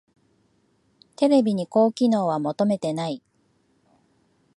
テレビに高機能は求めてない